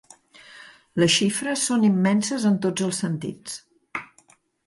Les xifres són immenses en tots els sentits.